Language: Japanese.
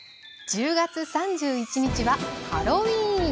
１０月３１日はハロウィーン。